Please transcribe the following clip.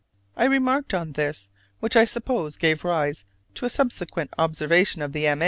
I remarked on this, which I suppose gave rise to a subsequent observation of the M.